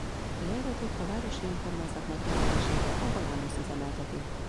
A járatot a városi önkormányzat megrendelésére a Volánbusz üzemelteti.